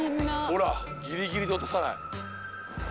ほらギリギリで落とさない。